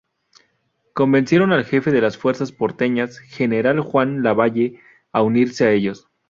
Convencieron al jefe de las fuerzas porteñas, general Juan Lavalle, a unirse a ellos.